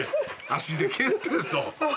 足で蹴ってるぞ。